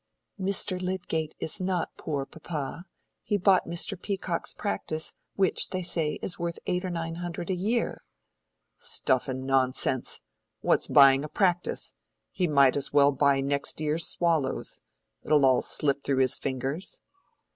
"Mr. Lydgate is not poor, papa. He bought Mr. Peacock's practice, which, they say, is worth eight or nine hundred a year." "Stuff and nonsense! What's buying a practice? He might as well buy next year's swallows. It'll all slip through his fingers."